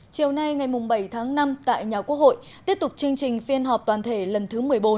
chiều nay ngày bảy tháng năm tại nhà quốc hội tiếp tục chương trình phiên họp toàn thể lần thứ một mươi bốn